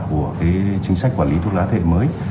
của chính sách quản lý thuốc lá thế hệ mới